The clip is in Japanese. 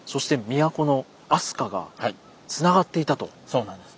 そうなんです。